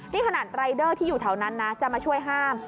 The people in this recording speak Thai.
นี่ขนาดรายเดอร์ที่อยู่แถวนั้นนะจะมาช่วยห้าม